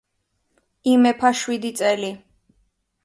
იმეფა შვიდი წელი.